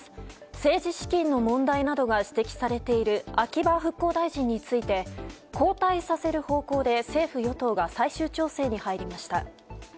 政治資金の問題などが指摘されている秋葉復興大臣について交代させる方向で政府・与党が最終調整に入りました。